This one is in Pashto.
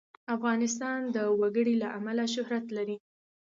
افغانستان د وګړي له امله شهرت لري.